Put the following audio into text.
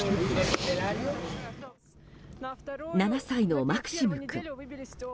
７歳のマクシム君。